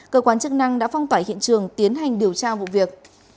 cơ quan chức năng đã phong tỏa hiện trường tiến hành điều tra vụ việc